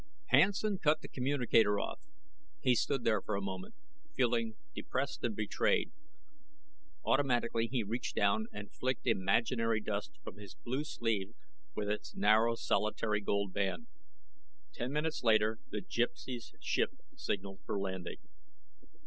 Hansen cut the communicator off. He stood there for a moment, feeling depressed and betrayed. Automatically he reached down and flicked imaginary dust from his blue sleeve with its narrow solitary gold band. Ten minutes later the Gypsy's ship signaled for landing.